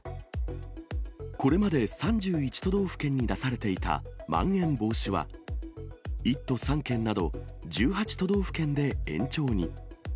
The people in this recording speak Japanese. これまで３１都道府県に出されていたまん延防止は、１都３県など、１８都道府県で延長に。